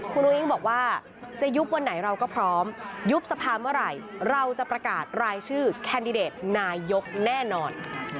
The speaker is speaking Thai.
คุณอุ้งบอกว่าจะยุบวันไหนเราก็พร้อมยุบสภาเมื่อไหร่เราจะประกาศรายชื่อแคนดิเดตนายกแน่นอน